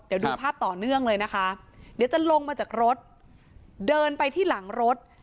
เดี๋ยวดูภาพต่อเนื่องเลยนะคะเดี๋ยวจะลงมาจากรถเดินไปที่หลังรถ